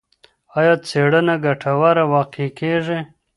ایا څېړنه ګټوره واقع کېږي؟